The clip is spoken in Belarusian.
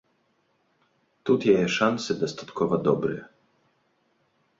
Тут яе шансы дастаткова добрыя.